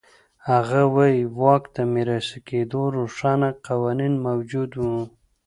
هغه وایي واک د میراثي کېدو روښانه قوانین موجود و.